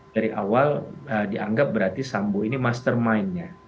dari awal dianggap berarti sambo ini mastermind nya